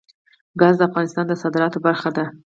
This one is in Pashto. ګاز د افغانستان د صادراتو برخه ده.